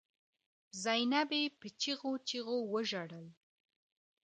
زينبې په چيغو چيغو وژړل.